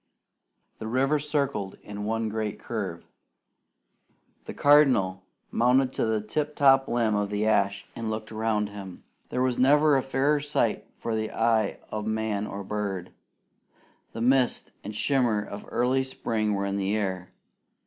The river circled in one great curve. The Cardinal mounted to the tip top limb of the ash and looked around him. There was never a fairer sight for the eye of man or bird. The mist and shimmer of early spring were in the air.